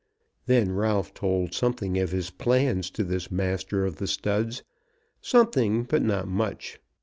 Then Ralph told something of his plans to this Master of the Studs, something, but not much.